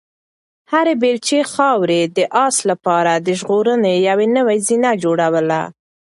هرې بیلچې خاورې د آس لپاره د ژغورنې یوه نوې زینه جوړوله.